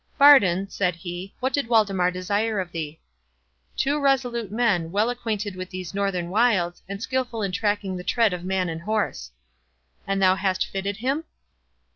"Bardon," said he, "what did Waldemar desire of thee?" "Two resolute men, well acquainted with these northern wilds, and skilful in tracking the tread of man and horse." "And thou hast fitted him?"